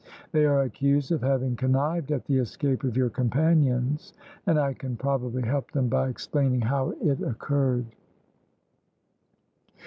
They are accused of having connived at the escape of your companions, and I can probably help them by explaining how it occurred."